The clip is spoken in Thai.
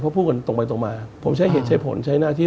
เพราะพูดกันตรงไปตรงมาผมใช้เหตุใช้ผลใช้หน้าที่